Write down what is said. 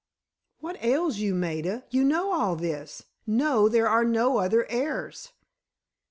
"What ails you, Maida? You know all this. No, there are no other heirs."